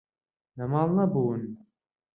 لە ماڵ نەبوون.